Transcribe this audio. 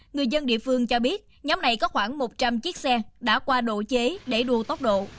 người dân địa phương cho biết nhóm này có khoảng một trăm linh chiếc xe đã qua độ chế để đua tốc độ